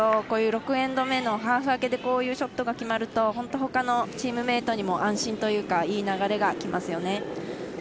こういう６エンド目のハーフ明けでこういうショットが決まると本当、ほかのチームメートにも安心というかいい流れがきますよね。